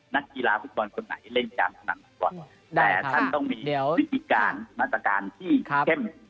นักกีฬาฟุตบอลคนไหนเล่นการพนันฟุตบอลแต่ท่านต้องมีวิธีการมาตรการที่เข้ม